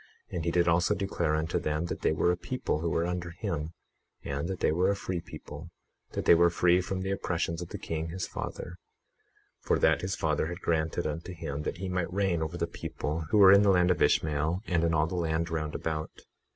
And he did also declare unto them that they were a people who were under him, and that they were a free people, that they were free from the oppressions of the king, his father; for that his father had granted unto him that he might reign over the people who were in the land of Ishmael, and in all the land round about.